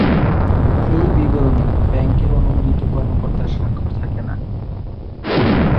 এই বিবরণী ব্যাংকের অনুমোদিত কর্মকর্তার স্বাক্ষর থাকে না।